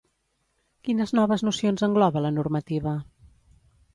Quines noves nocions engloba la normativa?